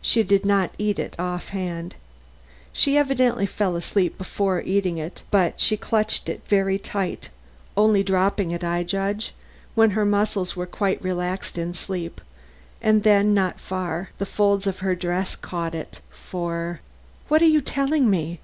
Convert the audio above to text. She did not eat it offhand; she evidently fell asleep before eating it, but she clutched it very tight, only dropping it, I judge, when her muscles were quite relaxed by sleep; and then not far; the folds of her dress caught it, for " "What are you telling me?"